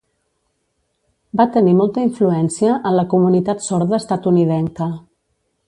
Va tenir molta influència en la comunitat sorda estatunidenca.